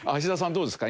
どうですか？